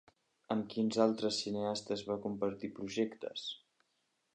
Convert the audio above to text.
Amb quins altres cineastes va compartir projectes?